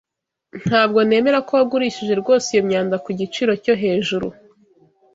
Ntabwo nemera ko wagurishije rwose iyo myanda ku giciro cyo hejuru.